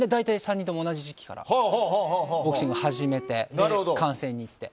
３人とも同じ時期からボクシング始めて観戦に行って。